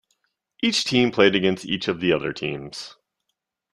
Each team played against each of the other teams.